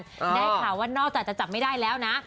ได้ข่าวว่านอกจากจะจับไม่ได้แล้วนะ